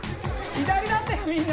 左だったよみんな。